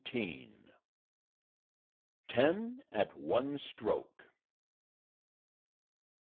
126 TEN AT ONE STROKE.